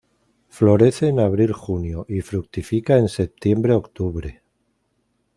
Florece en abril-junio y fructifica en septiembre-octubre.